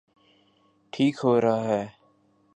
ٹھیک ہو رہا ہے۔